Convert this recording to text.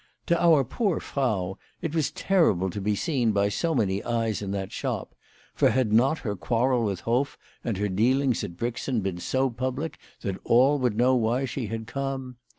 To our poor Frau it was terrible to be seen by so many eyes in that shop ; for had not her quarrel with Hoff and her dealings at Brixen been so public that all would know why she had come